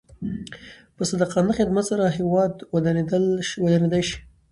په صادقانه خدمت سره هیواد ودانېدای شي.